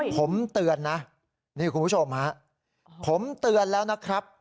ผมเตือนนะนี่คุณผู้ชมฮะผมเตือนแล้วนะครับ